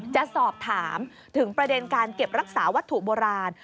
จะสอบถามถึงประเด็นการเก็บรักษาวัตถุโบราณ